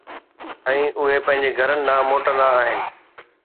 ۽ اهي پنهنجن گهرن ڏانهن موٽندا آهن.